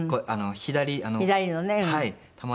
左のね。